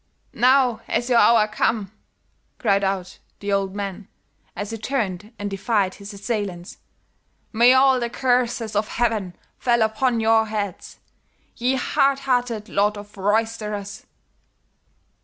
"'Now has your hour come,' cried out the old man, as he turned and defied his assailants. 'May all the curses of Heaven fall upon your heads, ye hard hearted lot of roysterers!'